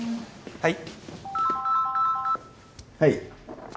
はい。